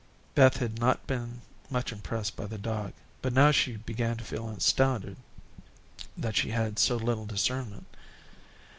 Beth had not been much impressed by the dog, but now she began to feel astounded that she had had so little discernment.